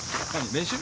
練習？